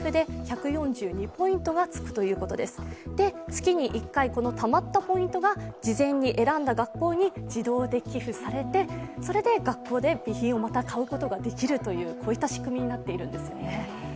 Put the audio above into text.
月に１回、たまったポイントが事前に選んだ学校に学校に、自動で寄付されてそれで学校で備品をまた買うことができるという仕組みになっているんですよね。